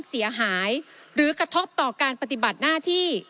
เสียหายหรือกระทบต่อการปฏิบัติหน้าที่